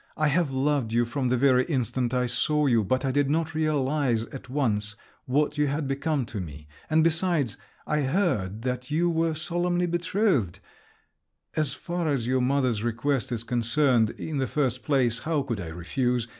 I have loved you from the very instant I saw you; but I did not realise at once what you had become to me! And besides, I heard that you were solemnly betrothed…. As far as your mother's request is concerned—in the first place, how could I refuse?